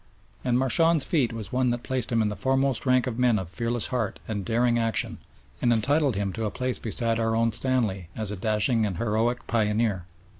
And Marchand's feat was one that placed him in the foremost rank of men of fearless heart and daring action, and entitled him to a place beside our own Stanley as a dashing and heroic pioneer.